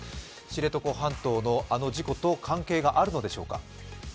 知床半島のあの事故と関係があるのでしょうか。